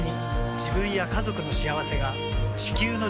自分や家族の幸せが地球の幸せにつながっている。